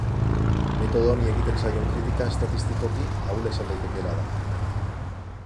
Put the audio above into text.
Metodo honi egiten zaion kritika estatistikoki ahula izan daitekeela da.